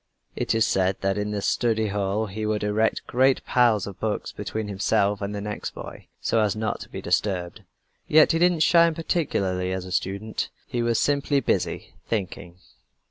It is said that in the study hall he would erect a great pile of books between himself and the next boy, so as not to be disturbed. Yet he didn't shine particularly as a student. He was simply busy thinking.